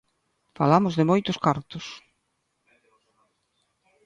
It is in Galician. Falamos de moitos cartos.